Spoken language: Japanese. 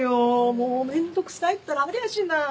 もう面倒くさいったらありゃしない！